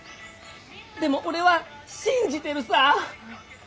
でも俺は信じてるさ。